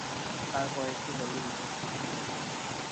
তারা কয়েকটি দলে বিভক্ত ছিলেন।